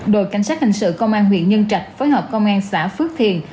đội cảnh sát hành sự công an huyện nhân trạch phối hợp công an xã phước thiền